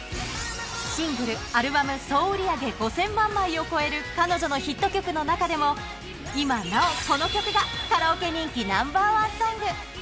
シングル、アルバム総売り上げ５０００万枚を超える彼女のヒット曲の中でも、今なおこの曲がカラオケ人気ナンバー１ソング。